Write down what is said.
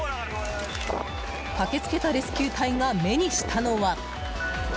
駆けつけたレスキュー隊が目にしたのは。